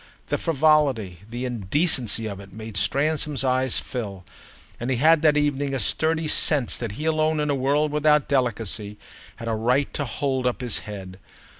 The frivolity, the indecency of it made Stransom's eyes fill; and he had that evening a sturdy sense that he alone, in a world without delicacy, had a right to hold up his head.